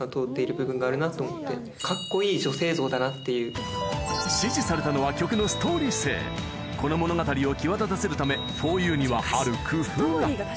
第７位支持されたのは曲のストーリー性この物語を際立たせるため『ｆｏｒｙｏｕ』にはある工夫が